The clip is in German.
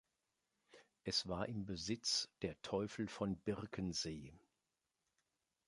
Es war im Besitz der Teuffel von Birkensee.